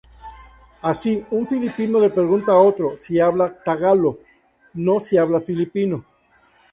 Así, un filipino le pregunta a otro si habla "tagalo", no si habla "filipino".